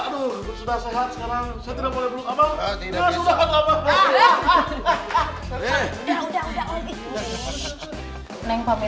terima kasih ya cicara ya